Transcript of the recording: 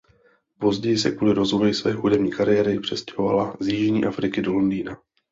Později se kvůli rozvoji své hudební kariéry přestěhovala z jižní Afriky do Londýna.